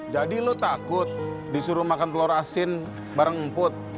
jadi lo takut disuruh makan telur asin bareng emput